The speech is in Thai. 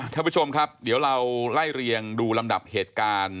ท่านผู้ชมครับเดี๋ยวเราไล่เรียงดูลำดับเหตุการณ์